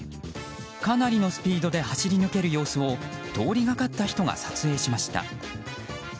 かなりのスピードで走り抜ける様子を通りがかった人が撮影しました。